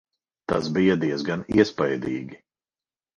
Tas bija diezgan iespaidīgi.